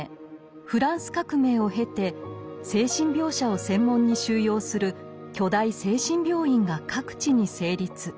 フランス革命を経て精神病者を専門に収容する巨大精神病院が各地に成立。